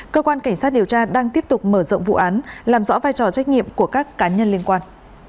cơ quan cảnh sát điều tra đang tiếp tục mở rộng vụ án làm rõ vai trò trách nhiệm của các cá nhân liên quan